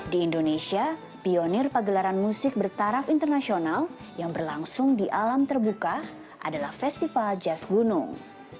di indonesia pionir pagelaran musik bertaraf internasional yang berlangsung di alam terbuka adalah festival jas gunung